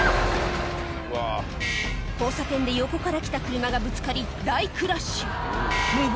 交差点で横から来た車がぶつかり大クラッシュ